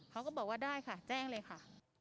เขาก็บอกว่าได้ค่ะแจ้งเลยค่ะ